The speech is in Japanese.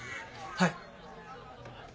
はい。